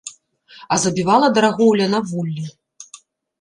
А забівала дарагоўля на вуллі.